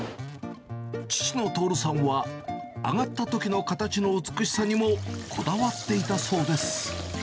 父のとおるさんは、揚がったときの形の美しさにもこだわっていたそうです。